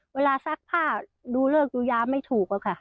เวลาซักผ้าดูเลิกดูย้าไม่ถูกแล้วค่ะ